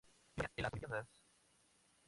Lituania en las Olimpíadas